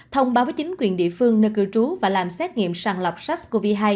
thông báo với chính quyền địa phương nơi cư trú và làm xét nghiệm sàng lọc sars cov hai